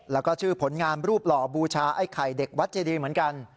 แล้วก็ชื่อผลงานรูปหล่อบูชาไอ้ไข่เด็กวัดเจดีเหมือนกัน